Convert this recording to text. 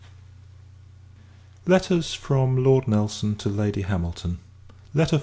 261 THE Letters OF LORD NELSON TO LADY HAMILTON. LETTER XL.